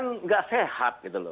ini kan nggak sehat gitu loh